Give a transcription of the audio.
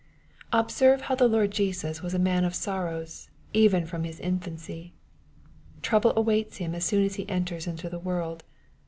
Observe how the Lord Jesus was " a man of sorrows^* even from His infancy. Trouble awaits Him as soon as He enters into the world.